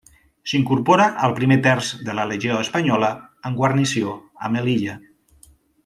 S'incorpora al Primer Terç de la Legió Espanyola amb guarnició a Melilla.